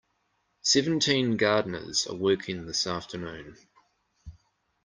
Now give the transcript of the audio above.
Seventeen gardeners are working this afternoon.